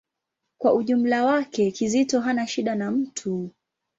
Kwa ujumla wake, Kizito hana shida na mtu.